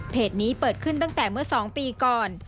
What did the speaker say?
นี้เปิดขึ้นตั้งแต่เมื่อ๒ปีก่อน